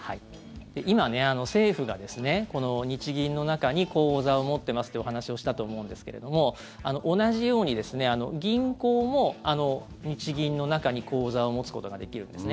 今、政府が日銀の中に口座を持ってますってお話をしたと思うんですけれども同じように銀行も日銀の中に口座を持つことができるんですね。